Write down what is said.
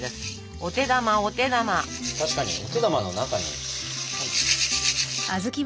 確かにお手玉の中に。